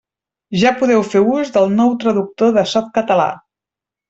Ja podeu fer ús del nou traductor de Softcatalà.